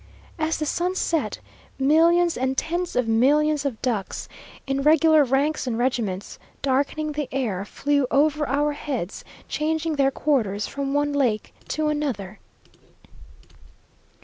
As the sun set, millions and tens of millions of ducks, in regular ranks and regiments, darkening the air, flew over our heads, changing their quarters from one lake to another.